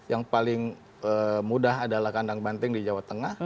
yang paling mudah adalah kandang banting di jawa tengah